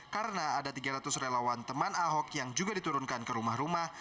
karena ada tiga ratus relawan teman ahok yang juga diturunkan ke rumah rumah